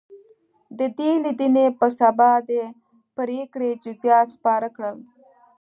د دې لیدنې په سبا د پرېکړې جزییات خپاره کړل.